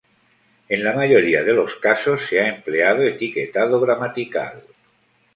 En la mayoría de los casos se ha empleado etiquetado gramatical.